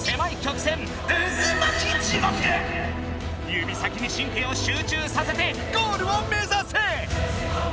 指先に神経を集中させてゴールを目ざせ！